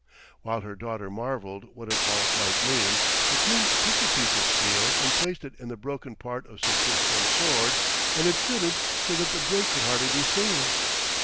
While her daughter marvelled what it all might mean, the queen took the piece of steel and placed it in the broken part of Sir Tristram's sword, and it fitted so that the break could hardly be seen.